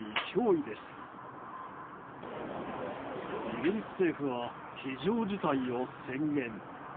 イギリス政府は非常事態を宣言。